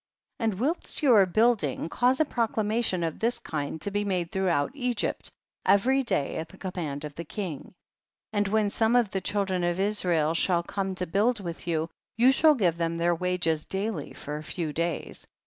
And whilst you are building, cause a proclamation of this kind to be made throughout Egypt every day at the command of the king. 12. And when some of the chil dren of Israel shall come to build with you, you shall give them their wages daily for a few days.